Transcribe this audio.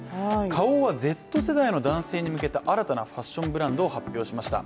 花王はＺ世代の男性に向けた新たなファッションブランドを発表しました。